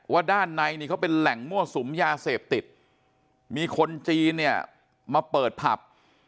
ด้านในนี่เขาเป็นแหล่งมั่วสุมยาเสพติดมีคนจีนเนี่ยมาเปิดผับ